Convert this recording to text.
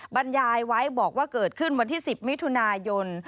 บรรยายไว้บอกว่าเกิดขึ้นวันที่๑๐มิถุนายน